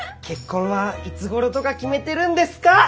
結婚はいつごろとか決めてるんですか？